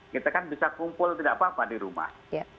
kita kan bisa kumpul tidak apa apa di rumah